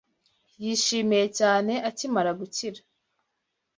Yishimiye cyane akimara gukira